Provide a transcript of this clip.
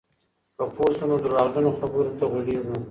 که پوه شو، نو درواغجنو خبرو ته غولېږو.